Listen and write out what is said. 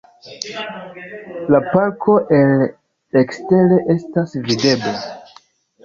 La parko el ekstere estas videbla.